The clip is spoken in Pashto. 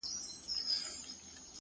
زما د خيال د فلسفې شاعره ؛